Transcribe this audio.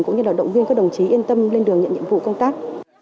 cũng như là động viên các đồng chí yên tâm lên đường nhận nhiệm vụ công tác